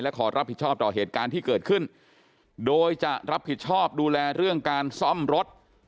ขอรับผิดชอบต่อเหตุการณ์ที่เกิดขึ้นโดยจะรับผิดชอบดูแลเรื่องการซ่อมรถ